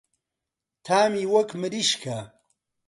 تامی وەک مریشکە.